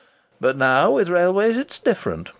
But now, with railways, it's different.